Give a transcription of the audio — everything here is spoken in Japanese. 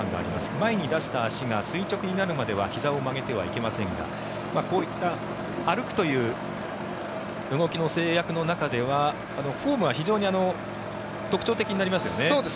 前に出した足が垂直になるまではひざを曲げてはいけませんがこういった歩くという動きの制約の中ではフォームは非常に特徴的になりますよね。